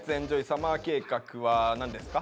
サマー計画」は何ですか？